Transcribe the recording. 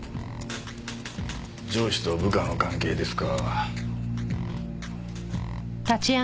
上司と部下の関係ですか。